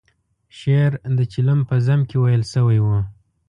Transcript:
شعر د چلم په ذم کې ویل شوی و.